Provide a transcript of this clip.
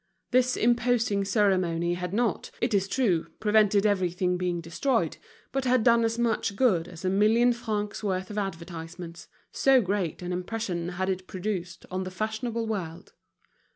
This imposing ceremony had not, it is true, prevented everything being destroyed, but had done as much good as a million francs' worth of advertisements, so great an impression had it produced on the fashionable world.